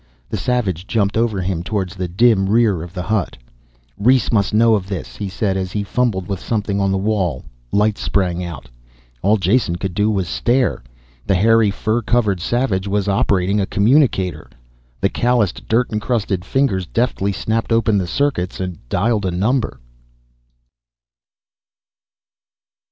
The savage jumped over him, towards the dim rear of the hut. "Rhes must know of this," he said as he fumbled with something on the wall. Light sprang out. All Jason could do was stare. The hairy, fur covered savage was operating a communicator. The calloused, dirt encrusted fingers deftly snapped open the circuits, dialed a number.